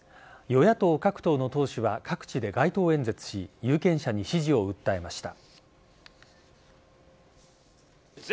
与野党各党の党首は各地で街頭演説し有権者に支持を訴えました。